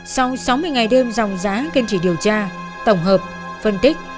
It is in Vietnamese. sau sáu mươi ngày đêm dòng giá kênh chỉ điều tra tổng hợp phân tích